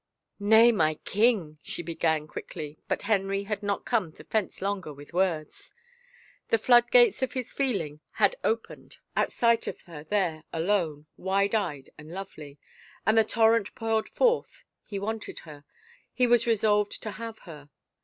" Nay, my king," she began quickly but Henry had not come to fence longer with words. The floodgates of his feeling had opened at sight of 71 THE FAVOR OF KINGS her there, alone, wide eyed and lovely, and the torrent poured forth. He wanted her — he was resolved to have her.